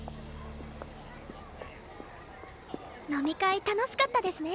飲み会楽しかったですね。